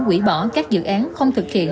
hủy bỏ các dự án không thực hiện